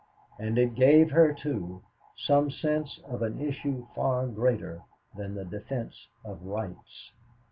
And it gave her, too, some sense of an issue far greater than the defense of rights.